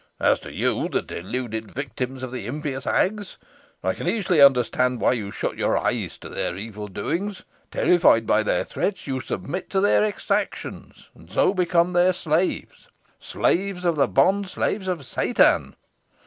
As to you, the deluded victims of the impious hags, I can easily understand why you shut your eyes to their evil doings. Terrified by their threats you submit to their exactions, and so become their slaves slaves of the bond slaves of Satan.